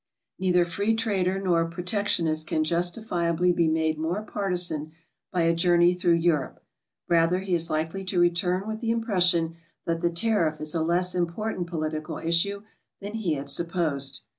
Neither free trader nor protectionist can justifiably be made more partisan by a journey through Europe. Rather he is likely to return with the impression that the tariff is a less im portant political issue than he had supposed.